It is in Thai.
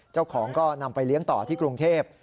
เจ้าของก็นำไปเลี้ยงต่อที่กรุงเทพ